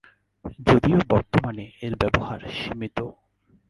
যদিও বর্তমানে এর ব্যবহার সীমিত।